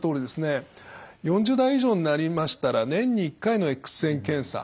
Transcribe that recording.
４０代以上になりましたら年に１回のエックス線検査。